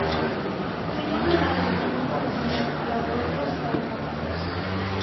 Tiene una anatomía muy parecida a la de otros salmónidos.